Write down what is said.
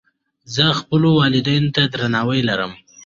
زه خپلو والدینو ته درناوی لرم.